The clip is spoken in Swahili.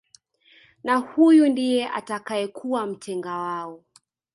Na huyu ndiye atakayekuwa mtenga wao